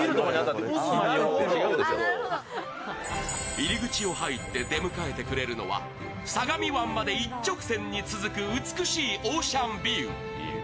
入り口を入って出迎えてくれるのは相模湾まで一直線に続く美しいオーシャンビュー。